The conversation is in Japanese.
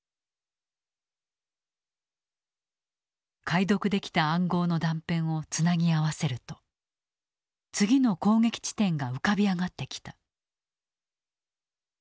解読できた暗号の断片をつなぎ合わせると次の攻撃地点が浮かび上がってきた。